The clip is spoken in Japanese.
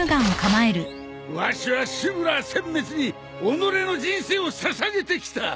わしはシブラーせん滅に己の人生を捧げてきた。